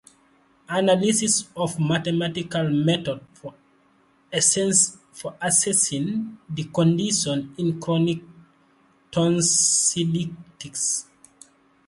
Analysis of mathematical methods for assessing the condition in chronic tonsillitis.